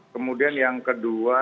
kemudian yang kedua